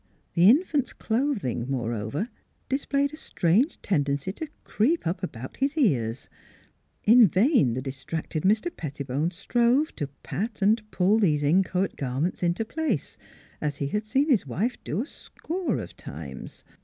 The in fant's clothing, moreover, displayed a strange tendency to creep up about his ears; in vain the distracted Mr. Pettibone strove to pat and pull these inchoate garments into place, as he had seen his wife do a score of times.